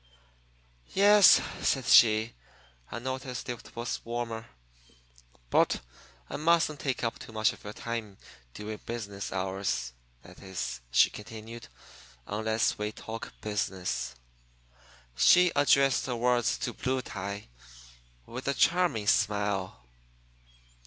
"Yes," said she, "I noticed it was warmer. But I mustn't take up too much of your time during business hours. That is," she continued, "unless we talk business." She addressed her words to Blue Tie, with a charming smile.